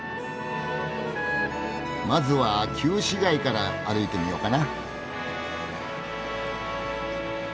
まずは旧市街から歩いてみようかな。